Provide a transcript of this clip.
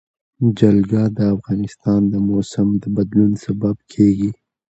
جلګه د افغانستان د موسم د بدلون سبب کېږي.